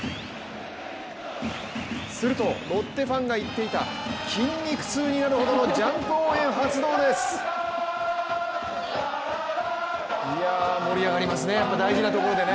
すると、ロッテファンが言っていた、筋肉痛になるほどのジャンプ応援発動です！いや、盛り上がりますねやっぱり大事なところでね。